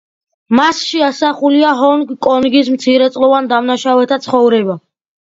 მასში ასახულია ჰონგ-კონგის მცირეწლოვან დამნაშავეთა ცხოვრება.